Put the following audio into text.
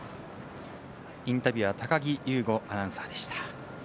インタビュアー高木優吾アナウンサーでした。